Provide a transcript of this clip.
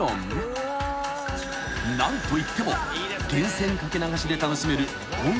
［何といっても源泉かけ流しで楽しめる温泉が最大の魅力］